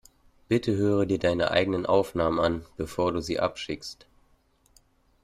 Bitte hör dir deine eigene Aufnahme an, bevor du sie abschickst.